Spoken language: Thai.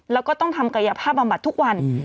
แล้วก็ต้องทำกายภาพบำบัดทุกวัน